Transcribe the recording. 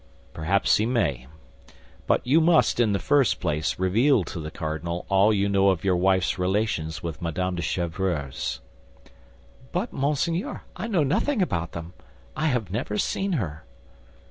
"Perhaps he may; but you must, in the first place, reveal to the cardinal all you know of your wife's relations with Madame de Chevreuse." "But, monseigneur, I know nothing about them; I have never seen her."